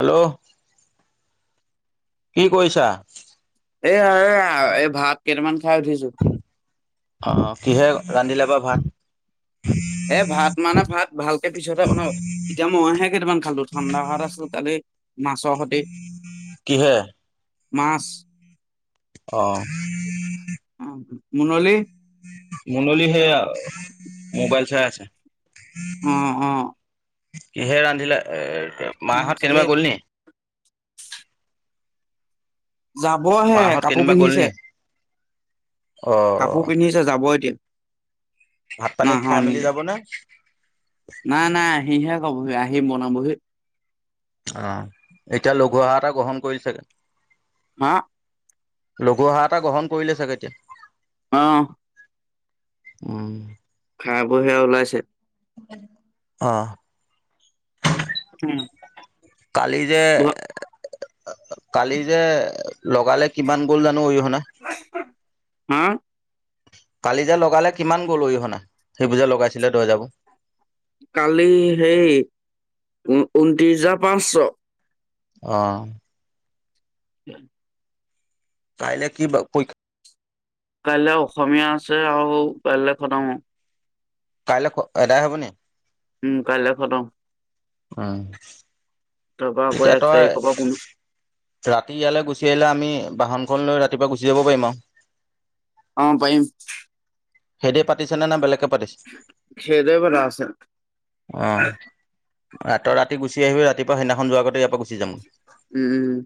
Hello কি কৰিছা? এয়া এয়া এই ভাত কেইটামান খাই উঠিছো। অ কিহে ৰান্ধিলে বাৰু ভাত? এ ভাত মানে ভাত ভালকে পিছতহে বনাৱ ইতিয়া মইহে কেইটামান খালো ঠাণ্ডা ভাত আছিল কালি। মাছৰ সতি কিহে? মাছ। অ। মুনলী। মুনলী সেয়া মোবাইল চাই আছে। অ অ। কিহে ৰান্ধিলে, এ মাহত কেনিবা এই গ'ল নি? যাবহে মাহঁত কাপু কেনিবা গ'ল পিন্ধিছে। নি? কাপু অ' পিন্ধিছে যাব এতিয়া। ভাত পানী খাই মেলি নাহনিলে যাব নে? নাই, নাই, আহিহে কবহি আহি বনাবহি। অ', এতিয়া লঘু আহাৰ এটা গ্ৰহণ কৰিছা চাগে? হা? লঘু আহাৰ এটা গ্ৰহণ কৰিলে চাগে এতিয়া? অ'। উম। খাবহি আৰু ওলাইছে। অ'। উম। কালি যে, ঘ- কালি যে লগালে, কিমান গ'ল জানো অৰিহনা? হম? কালি যে লগালে কিমান গ'ল অৰিহনা? সেইবোৰ যে লগাইছিলে দৰ্জাবোৰ। কালি হেই উ-ঊনত্ৰিশ হাজাৰ পাঁচশ। অ'। [unintelligible] কাইলে কি বাও প কাইলৈ অসমীয়া আছে, আৰু কাইলৈ খতম কাইলৈ খ-এটায়ে হ'ব নি? উম, কাইলৈ খতম। উম। তাৰপা আকৌ তেতিয়া এক তই তাৰিখৰ পৰা পুনৰ ৰাতি ইয়ালৈ গুচি আহিলে আমি বাহনখন লৈ ৰাত তিপুৱা গুচি যাব পাৰিম আৰু। অ', পাৰিম। সেহেতি পাতিছেনে না বেলেকে পাতিছে? সেইটোৱে কথা আছে। অ'। ৰাত-ৰাতি গুচি আহিবি, ৰাতিপুৱ সেইদিনাখন যোৱা আগতে ইয়াপা গু উম, উম।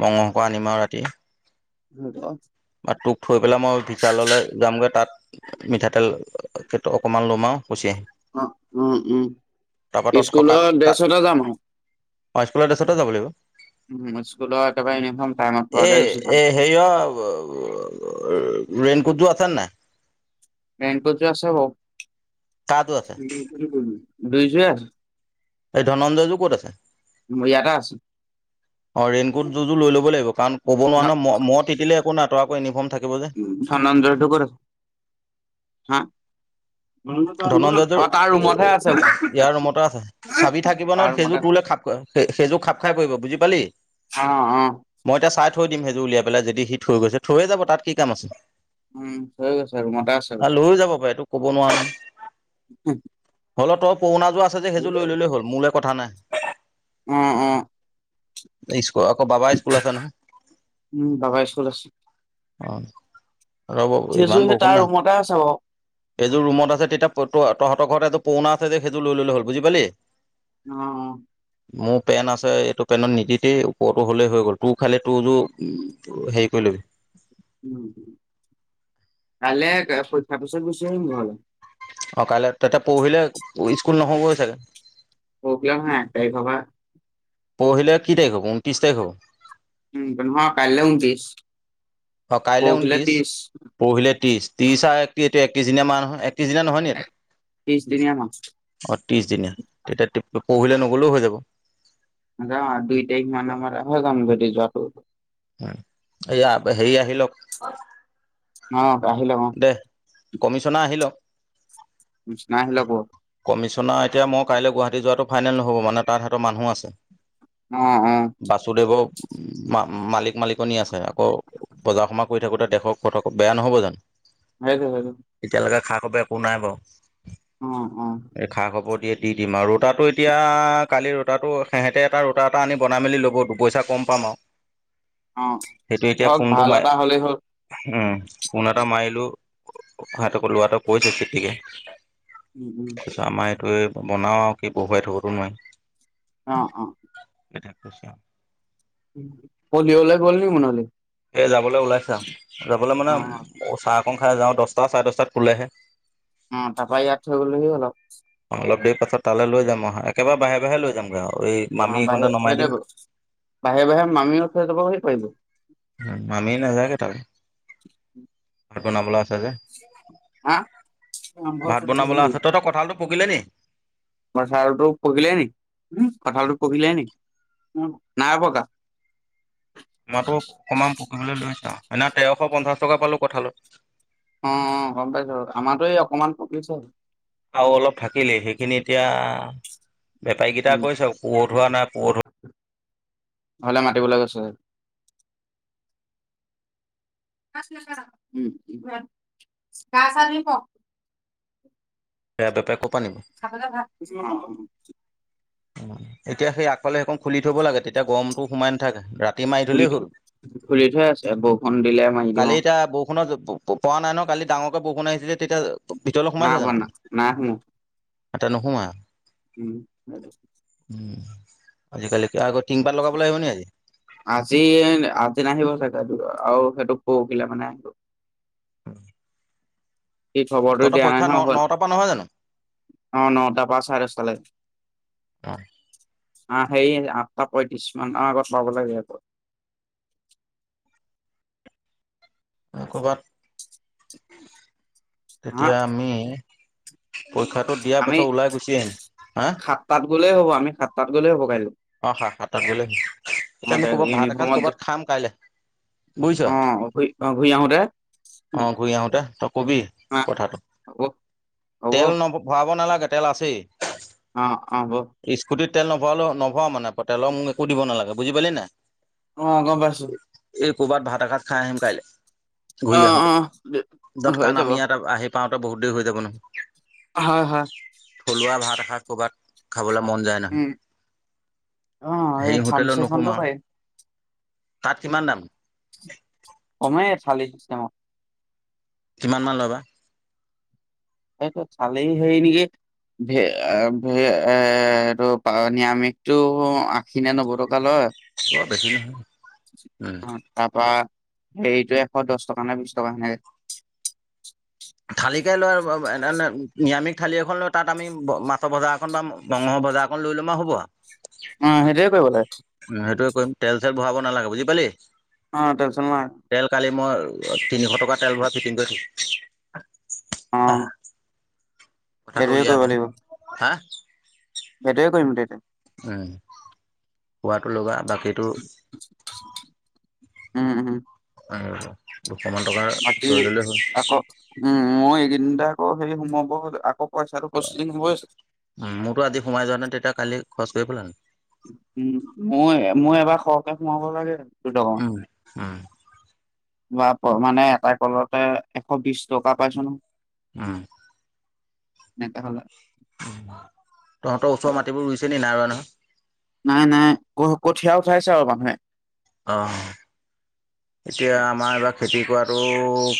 মংহ অকন আনিম আৰু ৰাতি। হ'ব। তোক থৈ পেলাই মই বিশাললৈ যাম গৈ। তাত মিঠাতেল অ-অকনমান লম। আৰু গুচি আহিম। অ', উম, উম। তাৰপৰা তই থকা স্কুলৰ তাত ড্ৰেছতে যাম আকৌ। অ', স্কুলৰ ড্ৰেছতে যাব লাগিব। উম, স্কুলৰ একেবাৰে ইউনিফৰ্ম টাইমত পোৱাকে গুছি যাম। [unintelligible] ৰেনকোটযোৰ আছেনে নাই? ৰেইনকোট আছে বাও। তাৰযোৰ আছে। [unintelligible] দুইযোৱে আছে। এই ধনঞ্জয়যোৰ ক'ত আছে? মোৰ ইয়াতে আছে। অ' ৰেইনকোট দুইযোৰ লৈ ল'ব লাগিব। কাৰন ক'ব নোৱাৰ ন, ম-মই তিতিলে একো নাই। তই আকৌ ইউনিফৰ্ম থাক উম, ধনঞ্জয়টো ক'ত আছে? হা? অ', তাৰ ধনঞ্জয়যোৰ ৰুমতহে আছে বোলে ইয়াৰ ৰুমতে আছে। চাবি থাকিব তাৰ নহয়, ৰুমতে সেইযোৰ আছে তোলে খাপ সেইযোৰ খাপ খাই পৰিব। বুজি পালি? অ', অ'। থৈ দিম সেইযোৰ উলিয়াই পেলাই, যদি সি থৈ গৈছে। থৈয়ে যাব তাত কি কাম আছে? উম, হৈ গৈছে ৰুমতে আছে বোলে। আৰু লৈও যাব পাৰে এইটো ক'ব নোৱাৰো [unintelligible] হ'লে তই পুৰণাযোৰ আছে যে হেইযোৰ লৈ ল'লেই হ'ল। মোৰলে কথা নাই। উম, উম। স্কুল আকৌ বাবা স্কুল আছে নহয়। উম, বাবা স্কুল আছে অ', ৰ'ব ইমান সেইযোৰ সেই বৰষুণ তাৰ নাই। ৰুমতে আছে বাৰু এইযোৰ ৰুমত আছে তেতিয়া তহঁতৰ ঘৰতে এযো পুৰণা আছে যে সেইযোৰ লৈ ল'লে হ'ল। বুজি পালি? অ', অ'। মোৰ পেন আছে এইটো পেনত নিদি দই ওপৰতো হলেই হৈ গ'ল তোৰ খালি তোৰোৰ হেৰি কৰিল হয়। উ কাইলে পৰীক্ষা পাছত গুচি আহিম ঘৰলে। অ', কাইলৈ তাতে পৰহিলে স্কুল নহ'বৈ চাগে। কবিলাম হা তাই খাবা [unintelligible] পৰহিলে কি তাৰিখ হ'ব ঊনত্ৰিছ তাৰিখ হ'ব। উম পকাইলৈ ঊনত্ৰিশ। কাইলে পৰহিলে ঊনত্ৰিশ, ত্ৰিশ, পৰহিলে ত্ৰিশ। ত্ৰিশ আৰু একত্ৰিশ, একত্ৰিশ দিনিয়া মাহ নহয়, একত্ৰিশ দিনিয়া নহয় নি এইটো ত্ৰিশ দিনীয়া মাছ অ', ত্ৰিশ দিনিয়া, তেতিয়া পৰহিলে নগলেও হৈ যাব। য দুই তাৰিখ মানৰ পৰা হে যাম যদি যোৱাটো উ এয়া হেৰি আহি লওক। অ', আহিলক অ'। কমিছনা আহিলক। ছ নাই হিল ক [unintelligible] কমিছনা এতিয়া মই কাইলৈ গুৱাহাটী যোৱা অ', অ', বাসুদেৱ মালিক মালিকনী আছে আকৌ বজাৰ সমাৰ কৰি থাকোতে দেখক কথা বেয়া নহ'ব জানো। হয়। খব একো নাই বাৰু অ', অ', এই খা খবৰ দিয়ে দি দিম আৰু তাতো এতিয়া কালিৰ ৰোতটো সিহঁতে এটা ৰোতা এটা আনি বনাই মেলি ল'ব পইচা কম পাম আৰু। অ', সেইটো এতিয়া হওক ফোনটো ভাল মাই এটা হ'লেই হ'ল উম ফোনত মাৰিলো সহঁতকো লোৱাাতটো কৈছে তেতিকে [unintelligible] উম, উম, তাৰপিছত আমাৰ এইটো বনাও আৰু কি বহুৱাই থ'বতো নোৱাৰি। অ', অ'। এটাক কৈছ পলিঅ'লে গ'ল নি মনাল [unintelligible] এ যাবলৈ ওলাইছে আও, যাবলৈ মানে অ', উচাহ পং খাই যাওঁ দহটা চাৰে দহটাত খোলেহে। উম তাৰপা ইয়াত থৈ গ'লেহি হ'ল আও। অ অলপ দেৰি পাছত তালৈ যাম একেবাৰে বাঢ়ে বাঢ়ে লৈ যামগে আৰু এই মামী বাহে এইকণতে নমাই সেই দিম। বাহে বাহে মামি অ খ [unintelligible] দাব সেই কিব মামি নাযায়কেই তাকে। [inaudible] বনাবা [unintelligible] হ ভাল থ ভাত [unintelligible] বনাবলৈ আছে তহঁতৰ কঁঠালটো পকিলে নি? কঠালটো পকিলে নি কঠালতটো পকিলে নি। নাই পকা। মইাতো অকমান পকিবলৈ লৈছো এনা তেৰশ পঞ্চাশ টকা পালো কঁঠালত। অ', গম পাইছো আমাৰতো এই অকমান পকিছে। আৰুও অলপ থাকিলে সেইখিনি এতিয়া। বেপাৰীকেইটা উম, কৈছে পুৰঠ হোৱা নাই পো হ'লে মাতিবলৈ কৈছে। ন গছ আাৰি প [unintelligible] এেয়া বেপাৰ ক [unintelligible] চাব য ভা [unintelligible] এতিয়া সেই আগফালে সেইখন খুলি থ'ব লাগে তেতিয়া গৰমতো সোমাই নাথাকে ৰাতি। মাৰি ঘুলি থ'লেই হ'ল। খুলি থোৱাই আছে, বৰষুণ দিলে মাৰি কালি দিওঁ। এতিয়া বৰষুণত পোৱা নাই ন কালি ডাঙৰকৈ বৰষুণ আহিছিল যে তেতিয়া নাই ব ন নাই ম আটা নসোমা উম ব উ আজিকালিক আগত আজি আজি নাহিব চাগে আৰু সেইটো [unintelligible] অ সে খবৰটো দিয়া নাই নহয় হ'ল নটাৰ পৰা নহয় জানো অ ন তাৰ পৰা চাৰে দ তালে আহ সেই আঠটা পয়ত্ৰিশ মানৰ আগত পাব লাগে আকৌ ক'বাত আহা তেতিয়া আমি পৰীক্ষাটো দিয়াৰ আমি পাছত ওলাই গুচি আহিম হা সাতটাত গ'লে হ'ব আমি সাতটাত গ'লে হ'ব কাইলৈ। অ সাত সাতাত গ'লে এতিয়া আহোতে আমি ক'ৰবাত ভাত এসাঁজ ইউনিফৰ্মত যে- কৰ'ৰবাত খাম কাইলে অ ঘ অ ঘূই আহোতে অ ঘূৰি আহোতে তই কবি আহ কথাটো হ'ব হ'ব তেল ন ভৰাব নালাগে হোটেল আছেই অ অ হব স্কুটিত তেল নভৱালৌ নভাও মানে তেলৰ মোক একো দিব নালাগে বুজি পালি নাই অ গম পাইছো এই ক'ৰবাত ভাত এসাজ খাই আহিম কাইলৈ অ ঘূৰি অ দে- আহোঁতে দ'ত হৈ কাৰণ যাব আমি ইয়াত আহি পাওঁতে বহুত দেৰি হৈ যাব নহ হয় হয় থলুৱা ভাত এষাৰ ক'ৰবাত খাবলৈ মন যায় নাই উম অ এই সেই হোটেলত থামচেখনতো নুহোমাওঁ আৰু পাৰিম তাত কিমান দাম কমেই থালি চিষ্টেমত কিমান মান ল'বা সেইটো চালেই হেই নেকি ভ ভ এ এইটো নিৰামিষটো আঁখি নে নবত বৰ বেছি নহয় উম [unintelligible] হেৰিটো এশ দহ টকা নে বিশ টকাখনে থালিকে লৈ এ নিৰামিষ থঠালি এখন লৈ তাত আমি মাছৰ বজাৰ এখন বা বংশ বজ অক লৈ ল'ম হ'ব অ সেইটোয়ে কৰিব লাগে উম, সেইটোৱে কৰিম তেল চেল ভৰাব নালাগে বুজি পালি অ তেনচন নাই তেল কালি মই তিনিশ টকা তেল ভৰা ফিটিং কৰি থৈ অ কথাটো সেইটোৱে উলিয়াবা হা হেইটোয়ে কৰিম তে [unintelligible] উম খোৱাতটো লগা বাক সেইটো উম বাকি আকৌ উম মই এইকেইদিনতে আকৌ সেই সমবোৰ আকৌ পইচাটো ত প্ৰচেচিং হৈ আছে। উ মোৰতো আজি সোমাই যোৱা নাই তেতিয়া কালি খৰচ কৰি পেলান হোমাব লাগে দুটকা উম উম বা মানে এটা কলতে এশ বিশ টকা পাইছ ন উম [unintelligible] তহঁতৰ ওচৰৰ মাটিবোৰ ৰুইছে নি নাই ৰোৱা নহয় নাই নাই ক কঠীয়া উঠাইছে আৰু মানুহে অ, এতিয়া আমাৰ বা খেতি কৰাতটো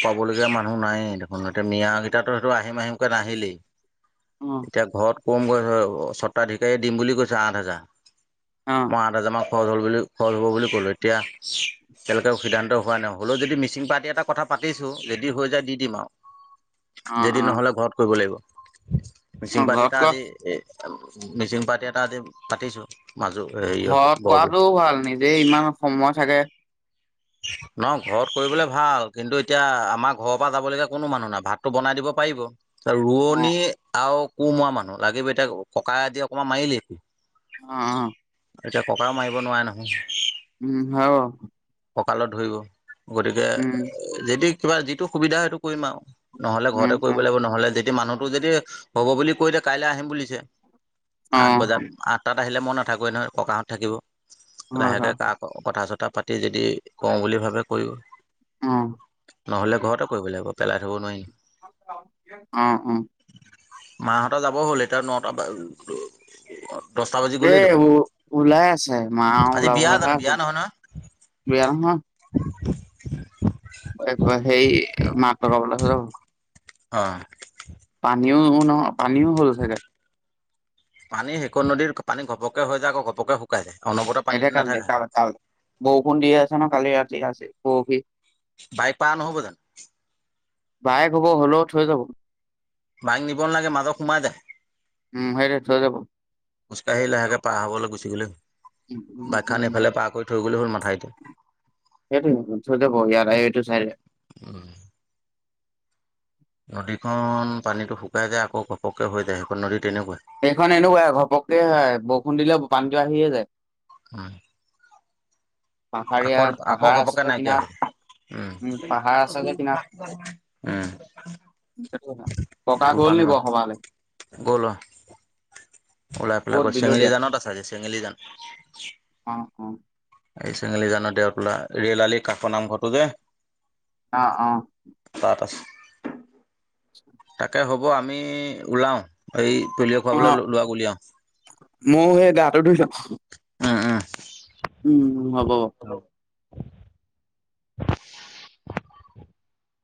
পাবলগীয়া মানুহ নাই দেখোন এতিয়া মিয়াকেইটো সেইটো আহিম আহিমকৈ নাহিলেই অ এতিয়া ঘৰত কম গৈ হয় স্বত্বাধিকাৰীয়ে দিম বুলি কৈছে আঠ হাজাৰ অ মই আঠ হাজাৰ মান খৰজ হ'ল বুলি - খৰজ হ'ব বুলি ক'লো এতিয়া কো সিদ্ধান্ত হোৱা নাই হ'লেও যদি মিচিং পাৰ্টি এটা কথা পাতিছোঁ ৰেডি হৈ যায় দি দিম অ আৰু। যদি অ নহলে ঘৰত কৰিব লাগিব। অ মিচিং পাৰ্টি ঘৰত এটা ক আজ এ মিচিং পাৰ্টি এটা আদি পাতিছো। মাজো হেৰিয় ঘৰত বৰ বি কৰাটোও ভাল নিজে ইমান সময় থাকে [inaudible] নহ ঘৰত কৰিবলৈ ভাল কিন্তু এতিয়া আমাৰ ঘৰৰ পৰা যাবলগীয়া কোনো মানুহ নাই ভাতটো বনাই দিব পাৰিব। অ ৰোৱনী আৰু কোমৰা মানুহ লাগিবি এতিয়া ককাই আদি অকমান মাৰিলেকি অ', এতিয়া ককাও মাৰিব নোৱাৰে নহয়। উম, হয় ৰহ। কঁকালত ধৰিব গতিকে উম যদি কিবা যিটো সুবিধা সেইটো কৰিম আৰু নহলে উম ঘৰতে কৰিব উম লাগিব নহলে যেতিয়া মানুহটো যদি হব বুলি কৈলে কাইলৈ আহিম বুলিছে। অ আঠ বজাত আঠটাত আহিলে মই নাথাকোৱে নহয় ককাহঁত থাকিব। হয় লাহেকে হয় কাক কথা চথা পাতি যদি কওঁ বুলি ভাবোবে কৰি অ নহলে ঘৰতে কৰিব লাগিব পেলাই থব নোৱাৰি। অ অ মাহত যাব হ'ল এতিয়া নটা ব এ ওলাই আছে মা আজি বিয়া ওলাবহে জানো আছ বিয়া নহয় নহয় বেয়াম হা [inaudible] সেই মাত লগকাাবলৈ যাব। অ', পানীও নহয় পানীও হ'ল চাগে। পানী শেক নদীৰ পানী ঘপকে হৈ যায় আকৌ ঘপকে শুকাই যায়। অনবৰতে একে পানীটো কাল দে নাথাকে কাল - কাল বৰষুণ দিয়ে আছে ন' কালি ৰাতি আজি পৰহি। বাইক পা নহ'ব জানো? বাইক হব হলেও থৈ যাব। বাইক নিব নালাগে মাজত সোমাই যায়। উম সেইটোৱে থৈ যাব খোজকাঢ়ি লাহেকে পাৰ হবলৈ গুচি গ'লে হল বাইক খান এইফালে পাৰ কৰি থৈ গ'লে হ'ল মাথাউৰিতে সেইটো [unintelligible] থৈ যাব ইয়াত আহি এইটো চাইডে। নদীখন পানীটো শুকাই যায় আকৌ ঘপককে হৈ যায় সেইখন নদীত এইখন এনেকুৱাই ঘপককে বৰষুণ দিলে পানীটো আহিয়ে যায়। হা পাহাৰীয়া আকৌৰ - আকৌ পাহাৰ আছে ঘপককে যে নাইকিয়া কিনাৰত হয়। উম পাহাৰ আছে যে উম-উম উম, [unintelligible] ককা গ'ল নি বৰ সভালে? গ'ল অ, ওলাই পেলাই ক'ত গৈছে চেঙেলী বিলতীয়া জানত আছে আজি চেঙেলী জান। উম, এই চেঙেলী জানৰ দেওতোলা ৰেল আলি কাষৰ নামঘৰটো যে অ', অ', তাছ [unintelligible] তাকে হ'ব আমি ওলাও এই পলিঅ' খুৱাবলৈ অ' ল'ৰাক উলিয়াওঁ। ময়ো সেই [unintelligible] ধুইছ উম উম। উম, হ'ব।